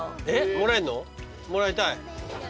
もらいたい。